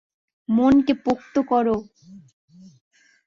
মনকে পোক্ত করো!